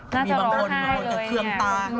น่าจะร้องไห้เลย